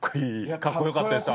かっこよかったですよ